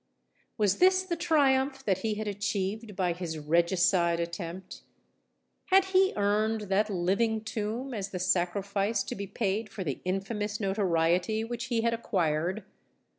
Was this the triumph that he had achieved by his regicide attempt? had he earned that living tomb as the sacrifice to be paid for the infamous notoriety which he had acquired?